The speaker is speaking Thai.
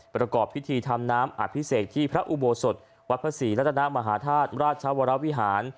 ประกอบพิธีทำน้ำอภิเษกที่พระอุโบสถวัดพระศรีรัตนามหาธาตุราชวรวิหาร